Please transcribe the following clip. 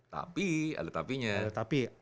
tapi ada tapi nya